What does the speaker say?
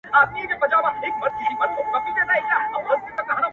گلي پر ملا باندي راماته نسې ـ